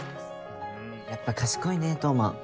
やっぱ賢いね刀磨。